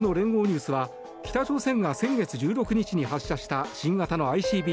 また、韓国の聯合ニュースは北朝鮮が先月１６日に発射した新型のＩＣＢＭ